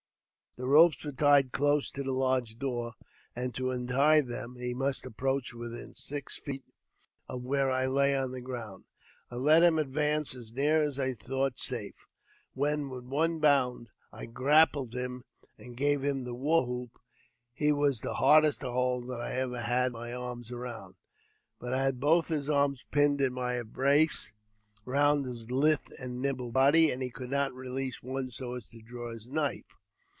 The ropes were tied close to the lodge door, and to untie them he must approach within six feet of where I lay on the ground. I let him advance as near as I thought safe, when, with one bound, I grappled him, and gave the war hoop. He was the hardest to hold that ever I had my arms around, but I had both his arms pinned in my embrace round his lithe and nimble body, and he could not release one so as to draw his knife.